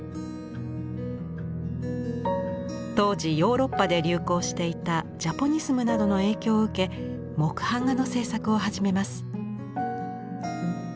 当時ヨーロッパで流行していたジャポニスムなどの影響を受け木版画の制作を始めます。